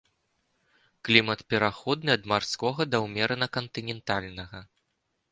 Клімат пераходны ад марскога да ўмерана кантынентальнага.